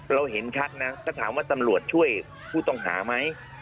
เราเห็นชัดนะถ้าถามว่าตำรวจช่วยผู้ต้องหาไหม